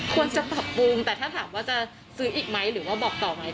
ควรจะปรับปรุงแต่ถ้าถามว่าจะซื้ออีกไหมหรือว่าบอกต่อไหม